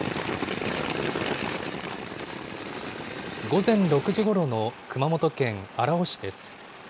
午前６時ごろの熊本県荒尾市です。